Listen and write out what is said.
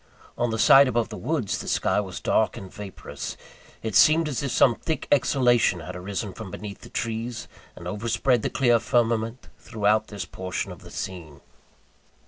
On the side above the woods, the sky was dark and vaporous. It seemed as if some thick exhalation had arisen from beneath the trees, and overspread the clear firmament throughout this portion of the scene.